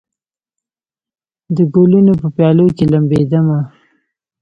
د ګلونو په پیالو کې لمبېدمه